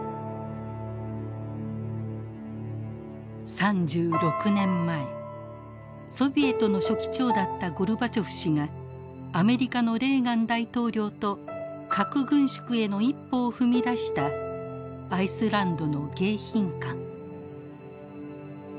３６年前ソビエトの書記長だったゴルバチョフ氏がアメリカのレーガン大統領と核軍縮への一歩を踏み出したアイスランドの迎賓館。